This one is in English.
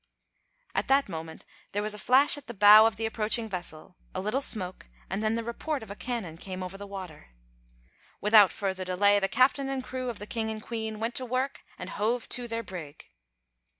At that moment there was a flash at the bow of the approaching vessel, a little smoke, and then the report of a cannon came over the water. Without further delay, the captain and crew of the King and Queen went to work and hove to their brig.